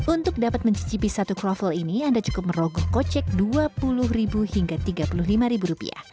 untuk dapat mencicipi satu kroffel ini anda cukup merogoh kocek rp dua puluh hingga rp tiga puluh lima